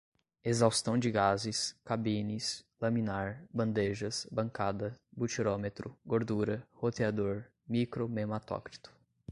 exaustão de gases, cabines, laminar, bandejas, bancada, butirômetro, gordura, roteador, micro-mematócrito